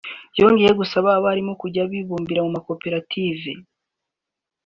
yongeye gusaba abarimu kujya bibumbira mu makoperative